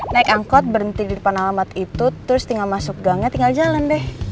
naik angkot berhenti di depan alamat itu terus tinggal masuk gangnya tinggal jalan deh